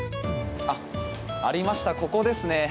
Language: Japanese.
ありました、ここですね。